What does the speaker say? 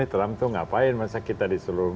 trump itu ngapain masa kita disuruh